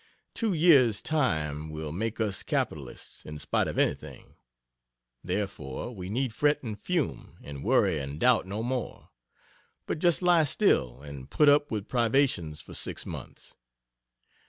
Two years' time will make us capitalists, in spite of anything. Therefore, we need fret and fume, and worry and doubt no more, but just lie still and put up with privations for six months.